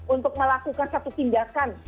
untuk melakukan satu tindakan